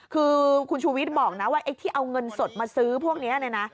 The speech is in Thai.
คือคุณชูวิทย์บอกนะว่าไอ้ที่เอาเงินสดมาซื้อพวกนี้เนี่ยนะ